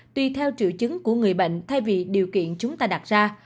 tùy theo triệu chứng của người bệnh thay vì điều kiện chúng ta đặt ra